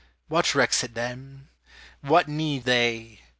What recks it them? what need they?